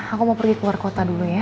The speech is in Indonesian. aku mau pergi ke luar kota dulu ya